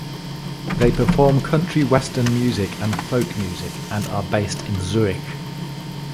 They perform country western music and folk music and are based in Zurich.